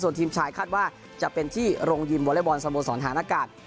ส่วนทีมชายคาดว่าจะเป็นที่โรงยิมวอเล็กบอลสโมสรฐานอากาศ